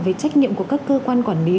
về trách nhiệm của các cơ quan quản lý